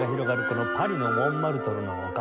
このパリのモンマルトルの丘。